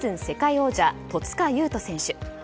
世界王者戸塚優斗選手。